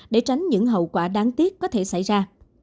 để tránh những hậu quả đáng tiếc có thể xảy ra